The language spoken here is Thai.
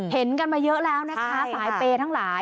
เห็นกันมาเยอะแล้วนะคะสายเปย์ทั้งหลาย